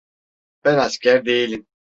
Ben asker değilim.